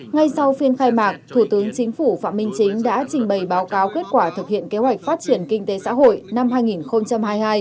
ngay sau phiên khai mạc thủ tướng chính phủ phạm minh chính đã trình bày báo cáo kết quả thực hiện kế hoạch phát triển kinh tế xã hội năm hai nghìn hai mươi hai